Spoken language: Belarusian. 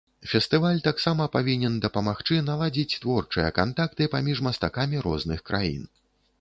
Фестываль таксама павінен дапамагчы наладзіць творчыя кантакты паміж мастакамі розных краін.